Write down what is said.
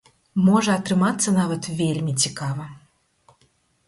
Можа атрымацца нават вельмі цікава.